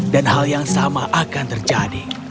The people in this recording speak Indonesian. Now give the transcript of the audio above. dan hal yang sama akan terjadi